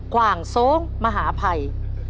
กว่างโซ้งมหาภัย